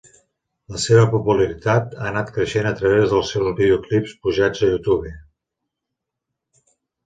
La seva popularitat ha anat creixent a través dels seus videoclips pujats a YouTube.